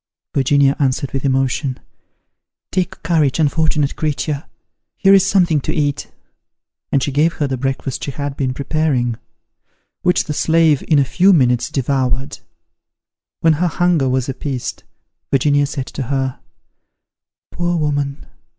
Virginia answered with emotion, "Take courage, unfortunate creature! here is something to eat;" and she gave her the breakfast she had been preparing, which the slave in a few minutes devoured. When her hunger was appeased, Virginia said to her, "Poor woman!